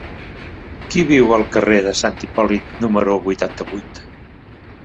Qui viu al carrer de Sant Hipòlit número vuitanta-vuit?